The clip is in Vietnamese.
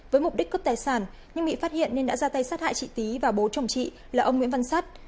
với mục đích cướp tài sản nhưng bị phát hiện nên đã ra tay sát hại chị tý và bố chồng chị là ông nguyễn văn sát